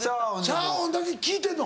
シャワー音だけ聞いてんの。